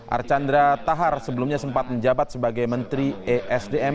archandra tahar sebelumnya sempat menjabat sebagai menteri esdm